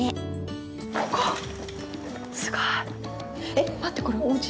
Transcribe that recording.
すごい。えっ待ってこれおうち？